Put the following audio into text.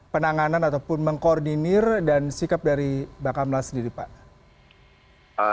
penanganan ataupun mengkoordinir dan sikap dari bakal melaksanakan